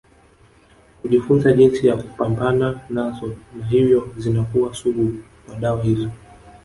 Hujifunza jinsi ya kupambana nazo na hivyo zinakuwa sugu kwa dawa hizo